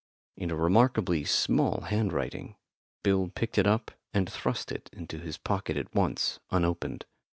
in a remarkably small hand writing. Bill picked it up, and thrust it into his pocket at once, unopened.